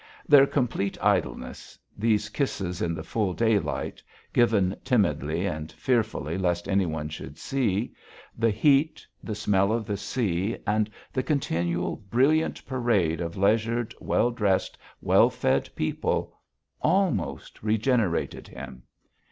Their complete idleness, these kisses in the full daylight, given timidly and fearfully lest any one should see, the heat, the smell of the sea and the continual brilliant parade of leisured, well dressed, well fed people almost regenerated him.